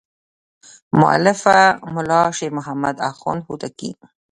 مؤلفه ملا شیر محمد اخوند هوتکی.